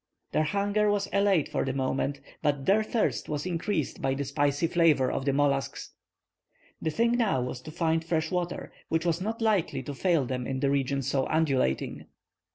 Their hunger was allayed for the moment, but their thirst was increased by the spicy flavor of the mollusks. The thing now was to find fresh water, which was not likely to fail them in a region so undulating.